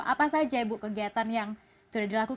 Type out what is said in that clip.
apa saja ibu kegiatan yang sudah dilakukan